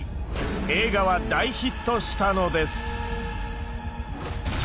映画は大ヒットしたのです。